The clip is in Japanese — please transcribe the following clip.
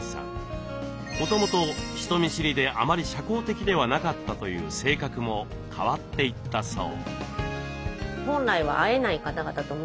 もともと人見知りであまり社交的ではなかったという性格も変わっていったそう。